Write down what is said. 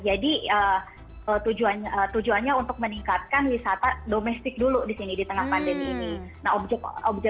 jadi tujuannya untuk meningkatkan wisata domestik dulu di sini di tengah pandemi ini